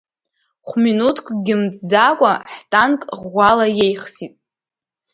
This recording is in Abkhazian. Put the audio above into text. Хә-минуҭкгьы мҵӡакәа ҳтанк ӷәӷәала иеихсит.